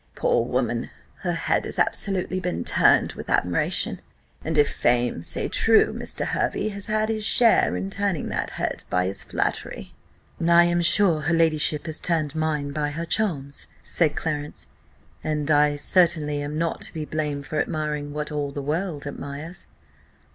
Poor woman, her head has absolutely been turned with admiration and if fame say true, Mr. Hervey has had his share in turning that head by his flattery." "I am sure her ladyship has turned mine by her charms," said Clarence; "and I certainly am not to be blamed for admiring what all the world admires."